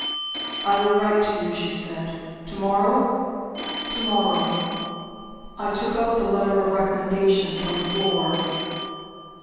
"I will write to you," she said. "To morrow?" "To morrow." I took up the letter of recommendation from the floor.